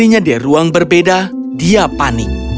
dia menemukan dirinya di ruang berbeda dia panik